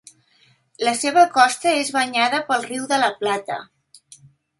La seva costa és banyada pel Riu de la Plata.